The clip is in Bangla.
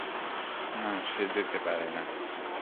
না, সে যেতে পারে না।